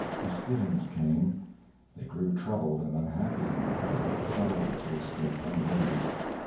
Misgivings came; they grew troubled and unhappy; a sigh or two escaped, unawares.